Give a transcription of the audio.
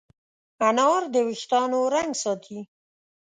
انار د وېښتانو رنګ ساتي.